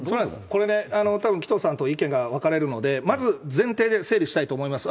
これね、たぶん、紀藤さんと意見が分かれるので、まず前提で整理したいと思います。